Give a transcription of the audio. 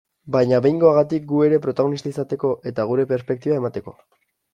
Baina behingoagatik gu ere protagonista izateko, eta gure perspektiba emateko.